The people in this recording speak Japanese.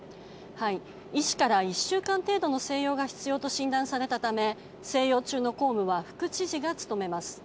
医師から１週間程度の静養が必要と診断されたため静養中の公務は副知事が務めます。